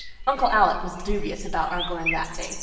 Uncle Alec was dubious about our going that day.